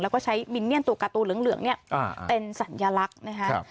แล้วก็ใช้มินเนียนตัวการ์ตูเหลืองเนี่ยเป็นสัญลักษณ์นะครับ